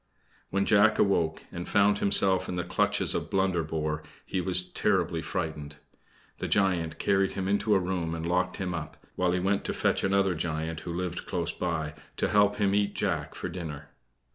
When Jack awoke and found himself in the clutches of Blunderbore he was terribly frightened. The giant carried him into a room and locked him up, while he went to fetch another giant who lived close by to help him eat Jack for dinner.